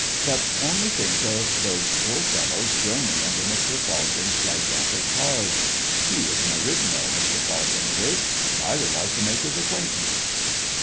But only think of those poor fellows groaning under Mr. Falcon's gigantic cards. He is an original, Mr. Falcon is, and I should like to make his acquaintance."